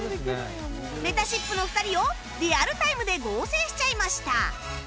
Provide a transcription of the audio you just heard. めたしっぷの２人をリアルタイムで合成しちゃいました